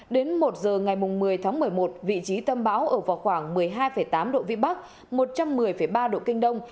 đến một h ngày một mươi một mươi một vị trí tâm báo ở vào khoảng một mươi hai tám độ vị bắc một trăm một mươi ba độ kinh đông